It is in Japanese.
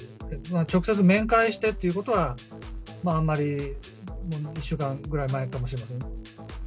直接面会してっていうことは、あんまり、１週間ぐらい前かもしれません。